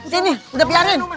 sini udah biarin